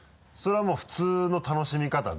それはもう普通の楽しみ方？